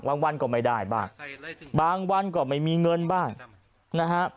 วันก็ไม่ได้บ้างบางวันก็ไม่มีเงินบ้างนะฮะ